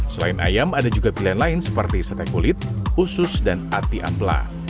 selain ayam ada juga pilihan lain seperti sete kulit usus dan ati ampla